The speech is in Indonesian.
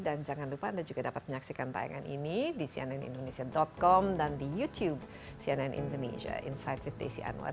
dan jangan lupa anda juga dapat menyaksikan tayangan ini di cnnindonesia com dan di youtube cnn indonesia insight with desi anwar